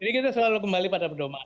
jadi kita selalu kembali pada pedoman